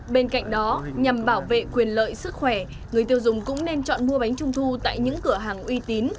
bên cạnh đó nhằm bảo vệ quyền lợi sức khỏe người tiêu dùng cũng nên chọn mua bánh trung thu tại những cửa hàng uy tín